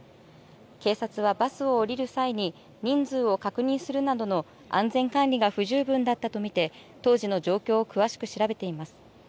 警察はバスを降りる際に人数を確認するなどの安全管理が不十分だったと見て当時の状況を詳しく調べています。